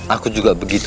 aku juga begitu